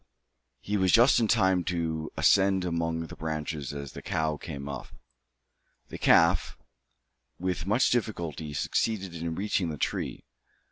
He was just in time to ascend among the branches as the cow came up. The calf, with much difficulty, succeeded in reaching the tree.